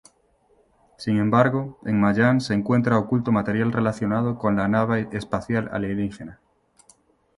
Sin embargo, en Mayan se encuentra oculto material relacionado con la nave espacial alienígena.